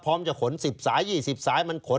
พร้อมจะขน๑๐สาย๒๐สาย